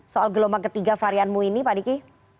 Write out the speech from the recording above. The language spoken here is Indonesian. soal gelombang ketiga varian mu ini pak diki